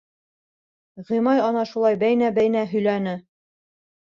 Ғимай ана шулай бәйнә-бәйнә һөйләне.